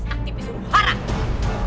aktif disuruh harap